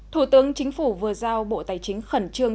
thủ tướng chính phủ vừa giao bộ tài chính khẩn trương